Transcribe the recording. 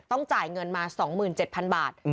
จ่ายเงินมา๒๗๐๐บาท